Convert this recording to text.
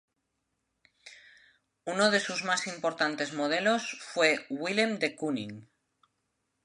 Uno de sus más importantes modelos fue Willem de Kooning.